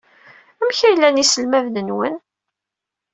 Amek ay llan yiselmaden-nwen?